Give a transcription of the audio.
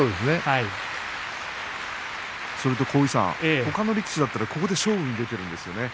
ほかの力士だったらここで勝負に出ているんですよね。